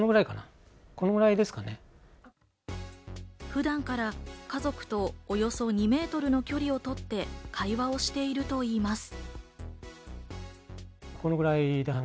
普段から家族とおよそ２メートルの距離をとって会話をしているといいます。